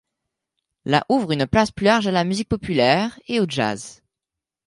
La ouvre une place plus large à la musique populaire et au jazz.